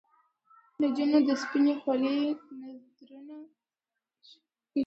نجونو د سپنې خولې نذرونه ایښي